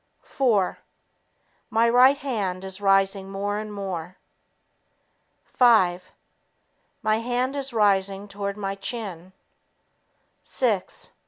Four ... My right hand is rising more and more. Five ... My hand is rising toward my chin. Six